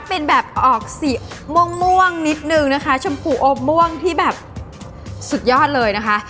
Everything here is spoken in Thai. เป็นแบบออกสีม่วงนิดนึงนะคะชมพูอบม่วงที่แบบสุดยอดเลยนะคะ